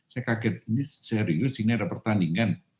saya kaget ini serius ini ada pertandingan